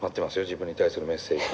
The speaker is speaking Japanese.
自分に対するメッセージ。